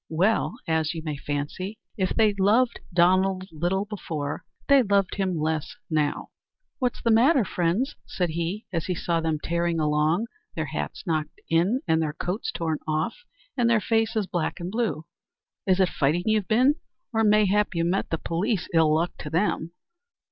Well, as you may fancy, if they loved Donald little before, they loved him less now. "What's the matter, friends?" said he, as he saw them tearing along, their hats knocked in, and their coats torn off, and their faces black and blue. "Is it fighting you've been? or mayhap you met the police, ill luck to them?"